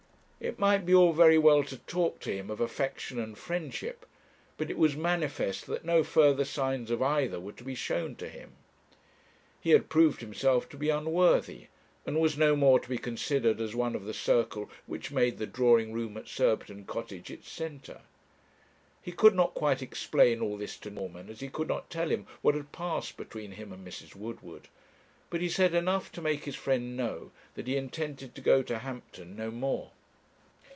It might be all very well to talk to him of affection and friendship; but it was manifest that no further signs of either were to be shown to him. He had proved himself to be unworthy, and was no more to be considered as one of the circle which made the drawing room at Surbiton Cottage its centre. He could not quite explain all this to Norman, as he could not tell him what had passed between him and Mrs. Woodward; but he said enough to make his friend know that he intended to go to Hampton no more.